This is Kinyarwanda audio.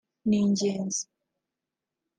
ni ingenzi »